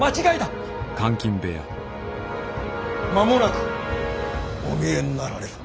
間もなくお見えになられる。